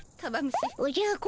おじゃこ